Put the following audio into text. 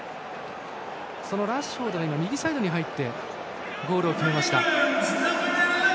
そのラッシュフォードが右サイドに入ってゴールを決めました。